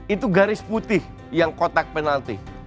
itu garis putih yang kotak penalti